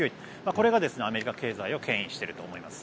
これがアメリカ経済をけん引していると思います。